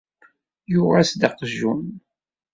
Yuɣ-as-d aqjun.